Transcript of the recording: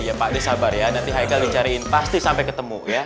ya pak disabar ya nanti haikal dicariin pasti sampai ketemu ya